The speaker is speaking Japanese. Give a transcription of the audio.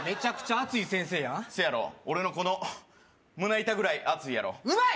熱い先生やせやろ俺のこの胸板ぐらい厚いやろうまい！